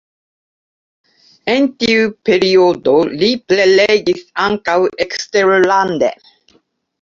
En tiu periodo li prelegis ankaŭ eksterlande.